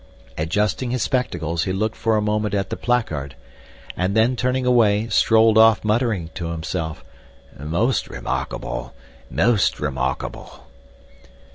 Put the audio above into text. Adjusting his spectacles he looked for a moment at the placard and then, turning away, strolled off muttering to himself: "Most remarkable—most remarkable!"